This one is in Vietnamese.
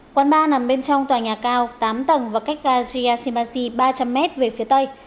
quán bar nằm bên trong tòa nhà cao tám tầng và cách ga shimbashi ba trăm linh m về phía tây